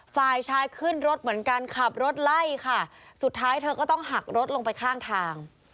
ฝ่ายชายขึ้นรถเหมือนกันขับรถไล่ค่ะสุดท้ายเธอก็ต้องหักรถลงไปข้างทาง